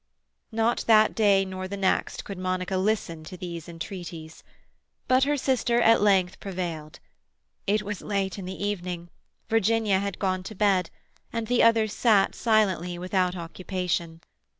Not that day, nor the next, could Monica listen to these entreaties. But her sister at length prevailed. It was late in the evening; Virginia had gone to bed, and the others sat silently, without occupation.